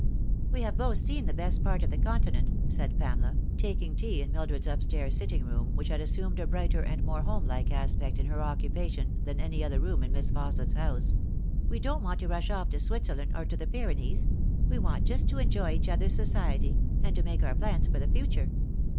"We have both seen the best part of t e Continent," said Pamela, taking tea in Mildred's upstairs sitting room, which had assumed a brighter and more home like aspect in her occupation than any other room in Miss Fausset's house ;" we don't want to rush off to Switzerland or the Pyrenees ; we want just to enjoy each other's society and to make our plans for the future.